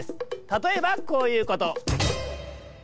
たとえばこういうこと。